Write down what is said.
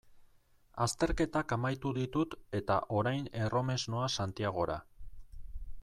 Azterketak amaitu ditut eta orain erromes noa Santiagora.